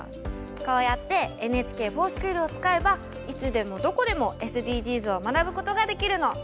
こうやって「ＮＨＫｆｏｒＳｃｈｏｏｌ」を使えばいつでもどこでもＳＤＧｓを学ぶことができるの！